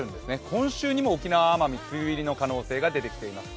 今週にも沖縄・奄美、梅雨入りの可能性が出てきています。